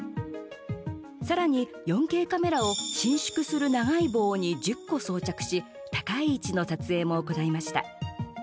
さらに、４Ｋカメラを伸縮する長い棒に１０個装着し高い位置の撮影も行いました。